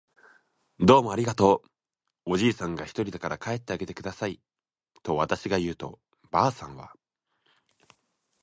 「どうもありがとう。」おじいさんがひとりだから帰ってあげてください。」とわたしが言うと、ばあさんは